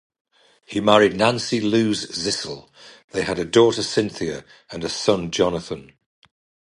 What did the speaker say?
He married Nancy Lou Zissell; they had a daughter, Cynthia, and a son, Jonathan.